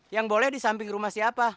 yang boleh di samping rumah siapa